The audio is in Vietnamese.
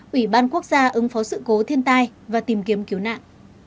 ủy ban quốc gia ứng phó sự cố thiên tai và tìm kiếm cứu nạn